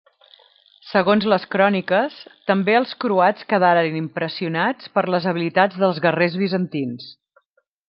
Segons les cròniques, també els croats quedaren impressionats per les habilitats dels guerrers bizantins.